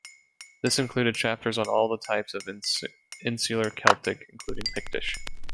This included chapters on all the types of Insular Celtic, including Pictish.